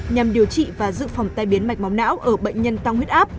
nhằm điều trị và dự phòng tai biến mạch máu não ở bệnh nhân tăng huyết áp